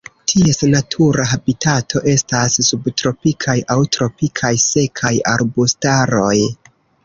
Ties natura habitato estas subtropikaj aŭ tropikaj sekaj arbustaroj.